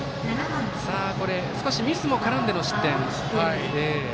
少しミスも絡んでの失点。